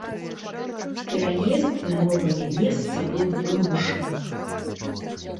Пераезд на новае месца быў вымушаны.